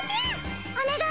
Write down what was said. お願い